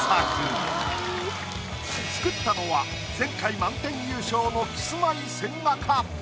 作ったのは前回満点優勝のキスマイ・千賀か？